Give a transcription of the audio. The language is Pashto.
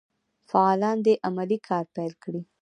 فعالان دي عملي کار پیل کړي.